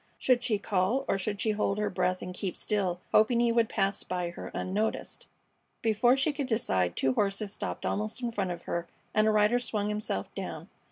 Should she call, or should she hold her breath and keep still, hoping he would pass her by unnoticed? Before she could decide two horses stopped almost in front of her and a rider swung himself down.